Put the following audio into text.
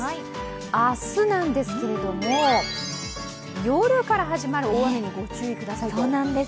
明日なんですけれども、夜から始まる大雨にご注意くださいと。